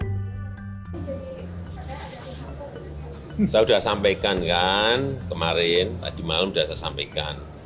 saya sudah sampaikan kan kemarin tadi malam sudah saya sampaikan